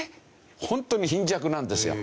ホントに貧弱なんですよ。